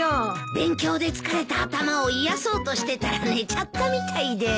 勉強で疲れた頭を癒やそうとしてたら寝ちゃったみたいで。